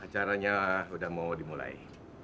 acaranya udah mau dimulai